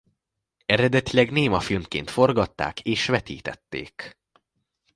Eredetileg némafilmként forgatták és vetítették.